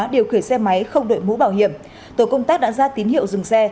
điều khiển xe máy không đội mũ bảo hiểm tổ công tác đã ra tín hiệu dừng xe